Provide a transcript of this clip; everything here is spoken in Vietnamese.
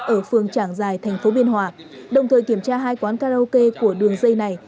ở phường trảng giải thành phố biên hòa đồng thời kiểm tra hai quán karaoke của đường dây này